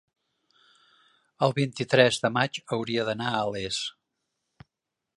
el vint-i-tres de maig hauria d'anar a Les.